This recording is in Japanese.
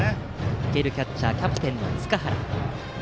受けるキャッチャーはキャプテンの塚原。